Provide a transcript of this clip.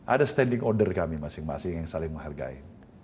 ada standing order kami masing masing yang saling menghargai